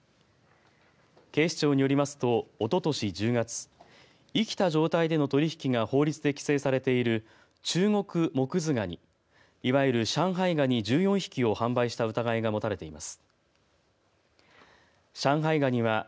警視庁によりますとおととし１０月生きた状態での取り引きが法律で規制されているチュウゴクモクズガニいわゆる上海ガニ１４匹を販売した疑いが持たれています。